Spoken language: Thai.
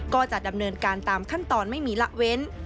ก็จะดำเนินการตามขั้นตอนไม่มีละเว้น